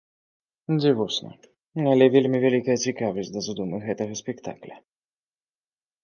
Дзівосна, але вельмі вялікая цікавасць да задумы гэтага спектакля.